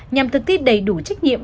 nhằm thực thi đầy đủ trách nhiệm